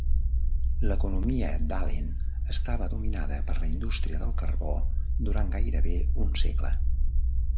L'economia d'Ahlen estava dominada per la indústria del carbó durant gairebé un segle.